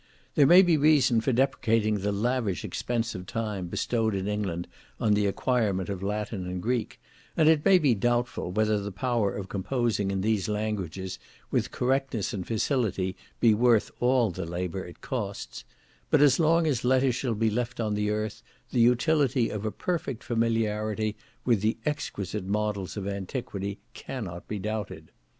There may be reason for deprecating the lavish expense of time bestowed in England on the acquirement of Latin and Greek, and it may be doubtful whether the power of composing in these languages with correctness and facility, be worth all the labour it costs; but as long as letters shall be left on the earth, the utility of a perfect familiarity with the exquisite models of antiquity, cannot be doubted.